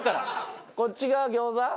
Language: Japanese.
こっち側餃子？